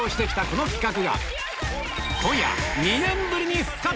この企画。